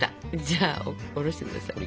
じゃあおろして下さい。